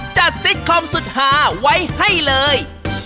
จัดสิทธิ์คอมสุดหาไว้ให้เลย